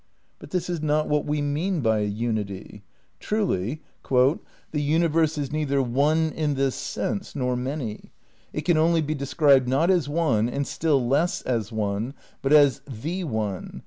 But this is not what we mean by a unity. Truly, "The universe is neither one in this sense nor many ... it can only be described not as one and still less as one, but as the one